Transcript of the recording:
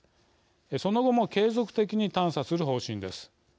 その後も継続的に探査する方針です。